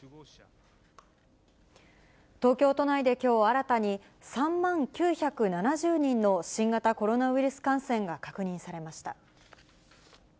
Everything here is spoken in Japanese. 東京都内できょう、新たに３万９７０人の新型コロナウイルス感染が確認されました。